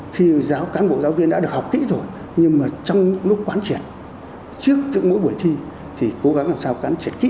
khi cán bộ giáo viên đã được học kỹ rồi nhưng mà trong lúc quán triển trước mỗi buổi thi thì cố gắng làm sao cán triển kỹ